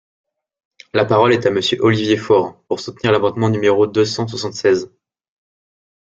La parole est à Monsieur Olivier Faure, pour soutenir l’amendement numéro deux cent soixante-seize.